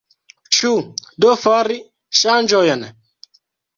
Ĉu do fari ŝanĝojn?